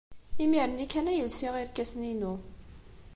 Imir-nni kan ay lsiɣ irkasen-inu.